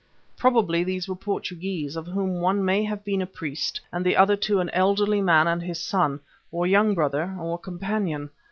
Probably these were Portuguese, of whom one may have been a priest and the other two an elderly man and his son, or young brother, or companion.